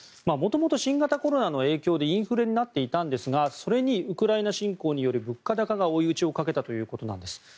元々、新型コロナの影響でインフレになっていたんですがそれにウクライナ侵攻による物価高が追い打ちをかけたんです。